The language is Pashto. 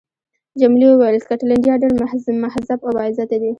جميلې وويل: سکاټلنډیان ډېر مهذب او با عزته دي.